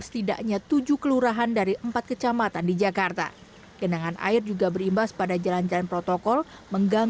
setidaknya tujuh kelurahan dari empat kecamatan di jakarta kenangan air juga berimbas pada jalan jalan protokol